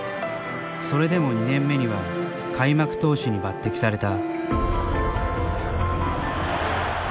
それでも、２年目には開幕投手に抜てきされた。